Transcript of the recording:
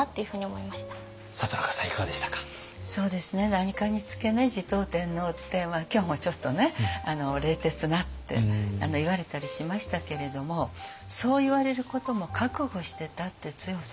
何かにつけ持統天皇って今日もちょっとね「冷徹な」って言われたりしましたけれどもそう言われることも覚悟してたって強さはあると思います。